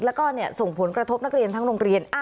แล้วก็ส่งผลกระทบนักเรียนทั้งโรงเรียน